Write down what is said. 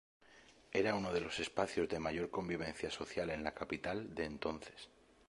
Era uno de los espacios de mayor convivencia social en la capital de entonces.